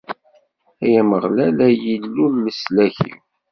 Ay Ameɣlal, ay Illu n leslak-iw!